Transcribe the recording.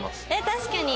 確かに。